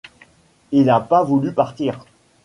Il a pas voulu partir.